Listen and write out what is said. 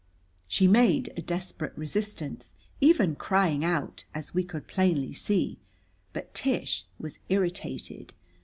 She made a desperate resistance, even crying out, as we could plainly see. But Tish was irritated.